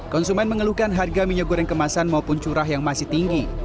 konsumen mengeluhkan harga minyak goreng kemasan maupun curah yang masih tinggi